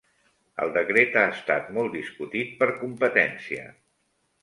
El decret ha estat molt discutit per Competència